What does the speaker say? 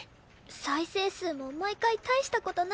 再生数も毎回大した事ないって